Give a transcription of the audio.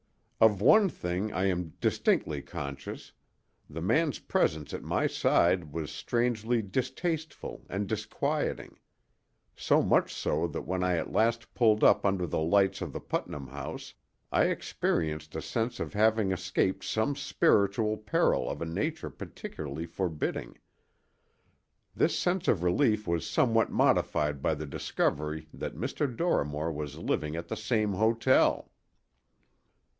Of one thing I am distinctly conscious: the man's presence at my side was strangely distasteful and disquieting—so much so that when I at last pulled up under the lights of the Putnam House I experienced a sense of having escaped some spiritual peril of a nature peculiarly forbidding. This sense of relief was somewhat modified by the discovery that Dr. Dorrimore was living at the same hotel.